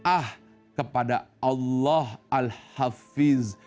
ah kepada allah al hafiz